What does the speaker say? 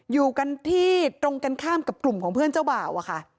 อยู่กันที่ตรงกันข้ามกับกลุ่มของเพื่อนเจ้าบ่าวอะค่ะ